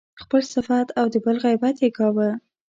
خپل صفت او د بل غیبت يې کاوه.